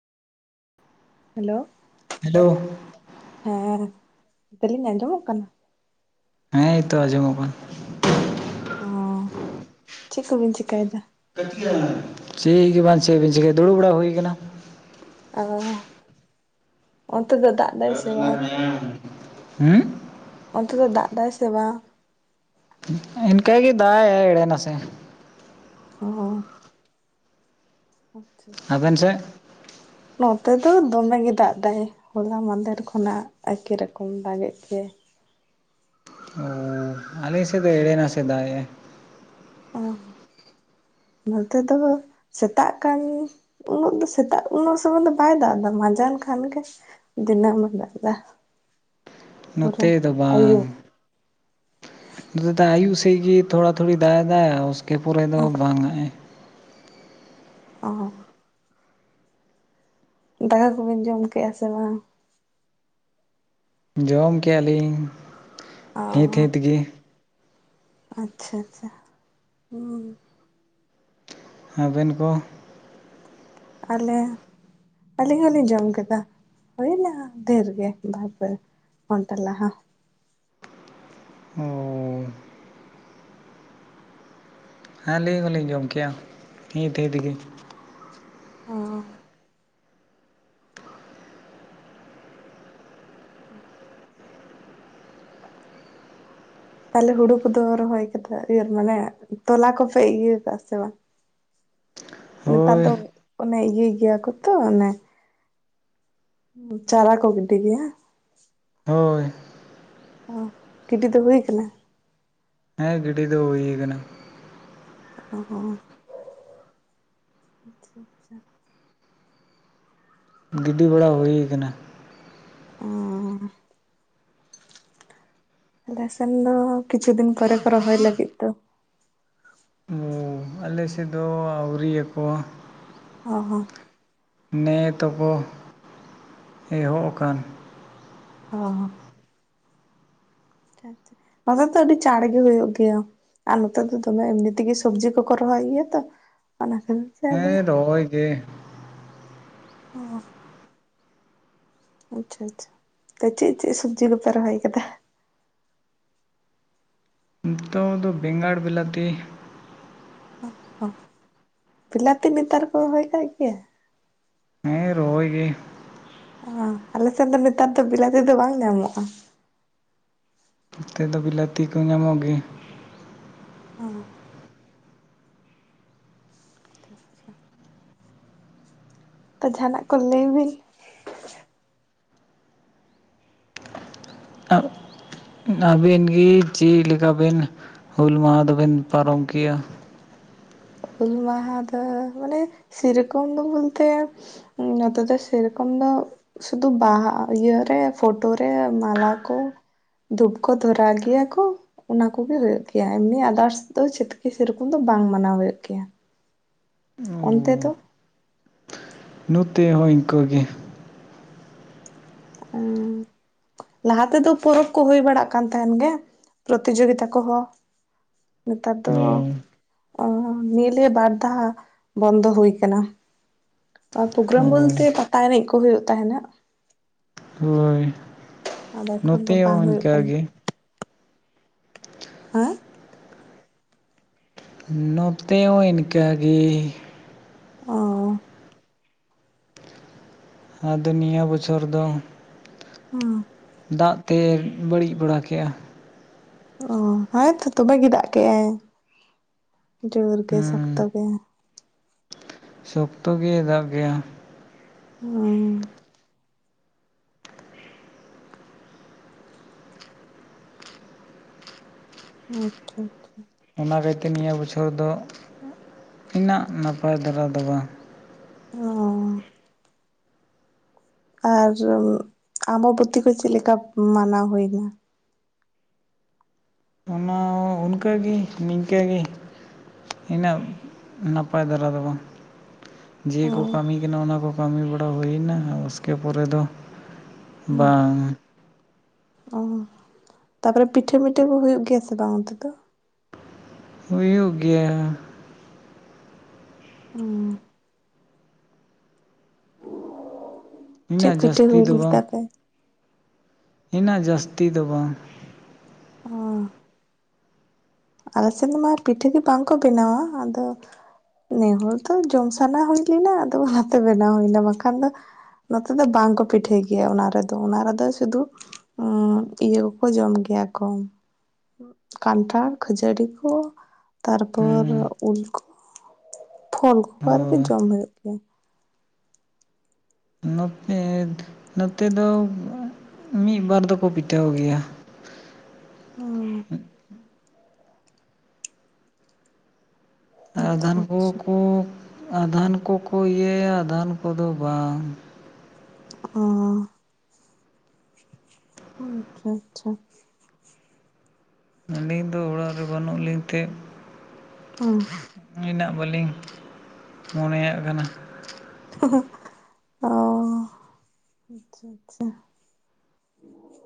Hello hello ᱦᱮᱸ ᱞᱤᱧ ᱟᱸᱡᱚᱢᱚᱜ ᱠᱟᱱᱟ ᱦᱮᱸ ᱛᱚ ᱟᱸᱡᱚᱢᱚᱜ ᱠᱟᱱᱟ ᱚ ᱪᱮᱫ ᱠᱚᱵᱤᱱ ᱪᱤᱠᱟᱭᱮᱫᱟ? ᱠᱟᱱᱟ ᱪᱮᱫ ᱜᱮ ᱵᱟᱝ ᱪᱮᱫ ᱵᱮᱤᱱ ᱪᱤᱠᱟᱹᱭᱟ ᱫᱩᱲᱩᱵ ᱵᱟᱲᱟ ᱦᱩᱭ ᱠᱟᱱᱟ᱾ ᱚ ᱫᱚ ᱫᱟᱜ ᱮᱫᱟᱭ ᱥᱮ ᱵᱟᱝ? ᱦᱩᱸ ᱚᱱᱛᱮ ᱫᱚ ᱫᱟᱜ ᱫᱟᱭ ᱥᱮ ᱵᱟᱝ? ᱤᱱᱠᱟᱹ ᱠᱤ ᱫᱟᱭ ᱮᱲᱮ ᱱᱟᱥᱮ ᱚ ᱦᱚ ᱟᱪᱪᱷᱟ ᱟᱪᱪᱷᱟ ᱟᱵᱮᱱ ᱥᱮᱫ ᱱᱚᱛᱮᱫᱚ ᱫᱚᱢᱮᱜᱮ ᱫᱟᱜ ᱮᱟᱭ ᱦᱚᱞᱟ ᱢᱟᱫᱮᱨ ᱠᱷᱚᱱᱟᱜ ᱮᱠᱤ ᱨᱚᱠᱚᱢ ᱫᱟᱜᱮᱫ ᱜᱮ [inaudible] ᱚ ᱟᱞᱮ ᱥᱮᱫ ᱫᱚ ᱮᱲᱮᱱᱟᱥᱮᱫ ᱫᱟᱜ ᱮᱜ-ᱟ ᱚ [inaudible] ᱱᱚᱛᱮ ᱫᱚ ᱥᱮᱛᱟᱜ ᱠᱟᱱ ᱩᱱᱟᱹᱜ ᱫᱚ ᱥᱮᱛᱟᱜ ᱩᱱᱟᱹᱜ ᱥᱚᱢᱚᱭ ᱫᱚ ᱵᱟᱭ ᱫᱟᱜ ᱮᱫᱟ ᱢᱟᱡᱟᱱ ᱠᱷᱟᱱ ᱜᱮ ᱫᱤᱱᱟᱹᱢ ᱫᱟᱜᱫᱟ [inaudible] ᱱᱚᱛᱮ ᱫᱚ ᱵᱟᱝ ᱟᱹᱭᱩᱵ ᱱᱚᱛᱮ ᱫᱚ ᱟᱭᱩ ᱥᱮ ᱛᱤᱜᱮ ᱛᱷᱚᱲᱟ ᱛᱷᱩᱲᱤ ᱫᱟᱜ ᱮ ᱫᱟᱭ ᱩᱥᱠᱮ ᱯᱚᱨᱮ ᱫᱚ ᱵᱟᱝᱟᱼᱮ ᱚ ᱫᱟᱠᱟ ᱠᱚᱵᱤᱱ ᱡᱚᱢ ᱠᱮᱜᱼᱟ ᱥᱮ ᱵᱟᱝ? ᱡᱚᱢ ᱠᱮᱫᱼᱟ ᱞᱤᱧ ᱚ ᱦᱤᱛᱦᱤᱛ ᱜᱮ᱾ ᱟᱪᱪᱷᱟ ᱟᱪᱪᱷᱟ ᱦᱮᱸ ᱟᱵᱮᱱ ᱠᱚ ᱟᱞᱮ ᱟᱹᱞᱤᱧ ᱦᱚᱸᱞᱤᱧ ᱡᱚᱢ ᱠᱮᱫᱟ᱾ ᱦᱩᱭᱳᱱᱟ ᱰᱷᱮᱨ ᱜᱮ ᱵᱟᱨ ᱯᱮ ᱜᱷᱳᱱᱴᱟ ᱞᱟᱦᱟ ᱚ ᱦᱮᱸ ᱞᱟᱹᱭ ᱦᱚᱸᱞᱤᱧ ᱡᱚᱢ ᱠᱮᱭᱟ ᱱᱤᱭᱟᱹ ᱛᱤ ᱛᱮᱜᱮ ᱚ ᱛᱟᱦᱞᱮ ᱦᱩᱲᱩ ᱠᱚᱫᱚ ᱨᱚᱦᱚᱭ ᱠᱮᱫᱟ ᱢᱟᱱᱮ ᱛᱚᱞᱟ ᱠᱚᱯᱮ ᱤᱭᱟᱹ ᱟᱠᱟ-ᱟ ᱥᱮ ᱵᱟᱝ? [inaudible] ᱱᱮᱛᱟᱨ ᱦᱳᱭ ᱫᱚ ᱚᱱᱮ ᱤᱭᱟᱹᱭ ᱜᱮᱭᱟ ᱠᱚ ᱛᱚ ᱚᱱᱮ ᱪᱟᱨᱟ ᱠᱚ ᱜᱤᱰᱤ ᱜᱮᱭᱟ᱾ ᱦᱳᱭ ᱚ ᱜᱤᱰᱤ ᱫᱚ ᱦᱩᱭ ᱠᱟᱱᱟ ᱜᱤᱰᱤ ᱫᱚ ᱦᱩᱭ ᱟᱠᱟᱱᱟ᱾ ᱚ ᱦᱚᱸ ᱟᱪᱪᱷᱟ ᱟᱪᱪᱷᱟ ᱜᱤᱰᱤ ᱵᱟᱲᱟ ᱦᱩᱭ ᱠᱟᱱᱟ᱾ ᱚ ᱟᱞᱮ ᱥᱮᱱ ᱫᱚ ᱠᱤᱪᱷᱩ ᱫᱤᱱ ᱯᱚᱨᱮ ᱠᱚ ᱨᱚᱦᱚᱭ ᱞᱟᱹᱜᱤᱫ ᱫᱚ ᱚ ᱟᱞᱮ ᱥᱮᱫ ᱫᱚ ᱟᱹᱣᱨᱤᱭᱟᱠᱚ ᱚ ᱦᱚᱸ ᱱᱮ ᱛᱚᱠᱚ ᱮᱦᱚᱵ ᱟᱠᱟᱱ ᱚ ᱟᱪᱪᱷᱟ ᱟᱪᱪᱷᱟ ᱱᱚᱛᱮ ᱛᱚ ᱟᱹᱰᱤ ᱪᱟᱬ ᱜᱮ ᱦᱩᱭᱩᱜ ᱜᱮᱭᱟ ᱟᱨ ᱱᱚᱛᱮ ᱫᱚ ᱫᱚᱢᱮ ᱮᱢᱱᱤ ᱛᱮᱜᱮ ᱥᱚᱵᱽᱡᱤ ᱠᱚᱠᱚ ᱨᱚᱦᱚᱭ ᱭᱟ ᱛᱚ ᱚᱱᱟ ᱠᱷᱟᱱᱛᱮ ᱟᱫᱚ ᱦᱮᱸ ᱨᱚᱦᱚᱭ ᱜᱮ ᱚ ᱟᱪᱪᱷᱟ ᱟᱪᱪᱷᱟ ᱪᱮᱫ ᱪᱮᱫ ᱥᱚᱵᱡᱤ ᱠᱚᱯᱮ ᱨᱚᱦᱚᱭ ᱠᱟᱫᱟ ᱱᱤᱛᱚᱜ ᱫᱚ ᱵᱮᱸᱜᱟᱲ ᱵᱤᱞᱛᱤ ᱚ ᱵᱤᱞᱟᱹᱛᱤ ᱱᱮᱛᱟᱨ ᱠᱚ ᱨᱚᱦᱚᱭ ᱠᱟᱜ ᱜᱮᱭᱟ ᱦᱮᱸ ᱨᱳᱦᱚᱭ ᱜᱮ ᱚ ᱟᱞᱮ ᱥᱮᱱ ᱫᱚ ᱱᱮᱛᱟᱨ ᱫᱚ ᱵᱤᱞᱟᱹᱛᱤ ᱫᱚ ᱵᱟᱝ ᱧᱟᱢᱚᱜᱼᱟ᱾ ᱱᱚᱛᱮ ᱫᱚ ᱵᱤᱞᱟᱹᱛᱤ ᱠᱚ ᱧᱟᱢᱚᱜ ᱜᱮᱭᱟ᱾ ᱛᱚ ᱡᱟᱦᱟᱱᱟᱜ ᱠᱚ ᱞᱟᱹᱭ ᱵᱤᱱ ᱟᱹᱵᱤᱱ ᱜᱮ ᱪᱮᱫ ᱞᱮᱠᱟᱵᱤᱱ ᱦᱩᱞ ᱢᱟᱦᱟ ᱫᱚᱵᱮᱱ ᱯᱟᱨᱚᱢ ᱠᱮᱭᱟ? ᱦᱩᱞ ᱢᱟᱦᱟ ᱫᱚ ᱢᱟᱱᱮ ᱥᱮ ᱨᱚᱠᱚᱢ ᱫᱚ ᱵᱚᱞᱛᱮ ᱱᱚᱛᱮ ᱫᱚ ᱥᱮ ᱨᱚᱠᱚᱢ [unintelligible] ᱥᱩᱫᱩ ᱵᱟᱦᱟ ᱤᱭᱮ ᱯᱷᱳᱴᱳ ᱨᱮ ᱢᱟᱞᱟ ᱠᱚ ᱫᱷᱩᱯ ᱠᱚ ᱫᱷᱚᱨᱟᱣ ᱜᱮᱭᱟ ᱠᱚ ᱚᱱᱟ ᱠᱚᱜᱮ ᱦᱩᱭᱩᱜ ᱜᱮᱭᱟ ᱮᱢᱱᱤ ᱟᱫᱟᱨᱥ ᱫᱚ ᱪᱤ ᱥᱮᱨᱚᱠᱚᱢ ᱫᱚ ᱵᱟᱝ ᱢᱟᱱᱟᱣ ᱦᱩᱭᱩᱜ ᱜᱮᱭᱟ ᱚᱱᱛᱮ ᱚ ᱫᱚ? ᱱᱚᱛᱮ ᱦᱚᱸ ᱤᱱᱠᱟᱹᱜᱮ ᱚ ᱞᱟᱦᱟ ᱛᱮᱫᱚ ᱯᱚᱨᱚᱵᱽ ᱠᱚ ᱦᱩᱭ ᱵᱟᱲᱟᱜ ᱠᱟᱱ ᱛᱟᱦᱮᱱ ᱜᱮ ᱯᱨᱚᱛᱤᱡᱳᱜᱤᱛᱟ ᱠᱚᱦᱚᱸ ᱱᱮᱛᱟᱨ ᱫᱚ ᱚ ᱚ ᱱᱤᱭᱟᱹᱞᱤᱭᱟᱹ ᱵᱟᱨ ᱫᱷᱟᱣ ᱵᱚᱱᱫᱚ ᱦᱩᱭ ᱠᱟᱱᱟ ᱟᱨ ᱯᱨᱳᱜᱨᱟᱢ ᱚ ᱵᱚᱞᱛᱮ ᱯᱟᱛᱟ ᱮᱱᱮᱡ ᱠᱚ ᱦᱩᱭᱩᱜ ᱛᱟᱦᱮᱱᱟ ᱦᱳᱭ ᱟᱫᱚ ᱮᱠᱷᱚᱱ ᱫᱚ ᱱᱚᱛᱮ ᱦᱚᱸ ᱵᱟᱝ ᱦᱩᱭᱩᱜ ᱚᱱᱠᱟ ᱠᱟᱱᱟ ᱜᱮ ᱦᱟᱸ ᱱᱚᱛᱮ ᱦᱚᱸ ᱤᱱᱠᱟ ᱜᱤ ᱚ ᱟᱫᱚ ᱱᱤᱭᱟᱹ ᱵᱚᱪᱷᱚᱨ ᱫᱚ ᱚ ᱫᱟᱜᱛᱮ ᱵᱟᱹᱲᱤᱡ ᱵᱟᱲᱟ ᱠᱮᱜᱼᱟ ᱚ ᱦᱚᱸᱭ ᱛᱚ ᱫᱚᱢᱮ ᱜᱮ ᱫᱟᱜ ᱠᱮᱜ ᱟᱭ ᱡᱳᱨ ᱜᱮ ᱥᱚᱠᱛᱚ ᱦᱮᱸ ᱜᱮ ᱥᱚᱠᱛᱚ ᱜᱮ ᱫᱟᱵ ᱜᱮᱭᱟ ᱚ ᱟᱪᱪᱷᱟ ᱟᱪᱪᱷᱟ ᱚᱱᱟ ᱠᱟᱭᱛᱮ ᱱᱤᱭᱟᱹ ᱵᱚᱪᱷᱚᱨ ᱫᱚ ᱤᱱᱟᱹᱜ ᱱᱟᱯᱟᱭ ᱫᱷᱟᱨᱟ ᱫᱚ ᱵᱟᱝ ᱚ ᱟᱨ ᱟᱵᱚ ᱫᱚ ᱛᱤᱱᱟᱹᱜ ᱪᱮᱫ ᱞᱮᱠᱟ ᱢᱟᱱᱟᱣ ᱦᱩᱭᱱᱟ ᱚᱱᱟ ᱚᱱᱠᱟ ᱜᱮ ᱱᱤᱝᱠᱟᱹ ᱜᱮ ᱤᱱᱟᱹᱜ ᱱᱟᱯᱟᱭ ᱫᱷᱟᱨᱟ ᱫᱚ ᱵᱟᱝ ᱡᱮ ᱚ ᱠᱚ ᱠᱟᱹᱢᱤ ᱠᱟᱱᱟ ᱚᱱᱟ ᱠᱚ ᱠᱟᱹᱢᱤ ᱵᱟᱲᱟ ᱦᱩᱭᱱᱟ ᱩᱥᱠᱮ ᱯᱚᱨᱮ ᱫᱚ ᱦᱩᱸ ᱵᱟᱝ ᱚ ᱛᱟᱨᱯᱚᱨᱮ ᱯᱤᱴᱷᱟᱹ ᱢᱤᱴᱷᱟᱹ ᱠᱚ ᱦᱩᱭᱩᱜ ᱜᱮᱭᱟ ᱥᱮ ᱵᱟᱝ ᱚᱱᱛᱮ ᱫᱚ ᱦᱩᱭᱩᱜ ᱜᱮᱭᱟ ᱚ ᱪᱮᱫ ᱤᱱᱟᱹᱜ ᱯᱤᱴᱷᱟᱹ ᱡᱟᱹᱥᱛᱤ [inaudible] ᱩᱱᱟᱹᱜ ᱡᱟᱹᱥᱛᱤ ᱫᱚ ᱵᱟᱝ ᱚ ᱟᱞᱮ ᱥᱮᱫ ᱢᱟ ᱯᱤᱴᱷᱟᱹ ᱜᱮ ᱵᱟᱝᱠᱚ ᱵᱮᱱᱟᱣᱟ ᱟᱫᱚ ᱱᱮᱦᱚᱨ ᱫᱚ ᱡᱚᱢ ᱥᱟᱱᱟ ᱦᱩᱭ ᱞᱮᱱᱟ ᱟᱫᱚ ᱚᱱᱟᱛᱮ ᱵᱮᱱᱟᱣ ᱦᱩᱭᱱᱟ ᱵᱟᱝᱠᱷᱟᱱ ᱫᱚ ᱱᱚᱛᱮ ᱫᱚ ᱵᱟᱝᱠᱚ ᱯᱤᱴᱷᱟᱹᱭ ᱜᱮᱭᱟ ᱚᱱᱟ ᱨᱮᱫᱚ ᱚᱱᱟ ᱨᱮᱫᱚ ᱥᱩᱫᱷᱩ ᱤᱭᱟᱹ ᱠᱚᱠᱚ ᱡᱚᱢ ᱜᱮᱭᱟ ᱮᱭᱟ ᱠᱚ ᱠᱟᱱᱴᱷᱟᱨ ᱠᱷᱟᱹᱡᱟᱹᱲᱤ ᱠᱚ ᱛᱟᱨᱯᱚᱨ ᱦᱮᱸ ᱩᱞ ᱯᱷᱚᱞ ᱠᱚ ᱟᱨᱠᱤ ᱦᱳᱭ ᱡᱚᱢ ᱦᱩᱭᱩᱜ ᱜᱮᱭᱟ ᱱᱚᱛᱮ ᱱᱚᱛᱮ ᱫᱚ ᱢᱤᱫᱵᱟᱨ ᱫᱚᱠᱚ ᱯᱤᱴᱷᱟᱹᱣ ᱜᱮᱭᱟ ᱟᱫᱷᱟᱱ ᱟᱪᱪᱷᱟ ᱠᱚ ᱟᱪᱪᱷᱟ ᱠᱚ ᱟᱫᱷᱟᱱ ᱠᱚᱠᱚ ᱤᱭᱟᱹᱭᱟ ᱟᱫᱷᱟᱱ ᱠᱚᱫᱚ ᱵᱟᱝ ᱚ ᱟᱪᱪᱷᱟ ᱟᱪᱪᱷᱟ ᱟᱞᱤᱧ ᱫᱚ ᱚᱲᱟᱜ ᱨᱮ ᱵᱟᱹᱱᱩᱜ ᱞᱤᱧᱛᱮ ᱦᱚ ᱤᱱᱟ. ᱜ ᱵᱟᱹᱞᱤᱧ ᱢᱚᱱᱮᱭᱟᱜ ᱠᱟᱱᱟ ᱚ ᱟᱪᱪᱷᱟ ᱟᱪᱪᱷᱟ